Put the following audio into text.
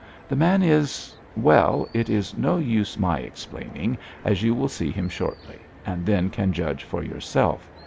The man is well, it is no use my explaining, as you will see him shortly, and then can judge for yourself.